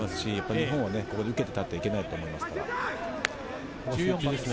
日本は受けてたってはいけないと思います。